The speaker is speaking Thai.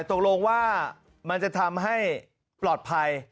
ตกลงว่ามันจะทำให้ปลอดภัย